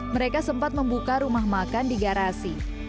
mereka sempat membuka rumah makan di garasi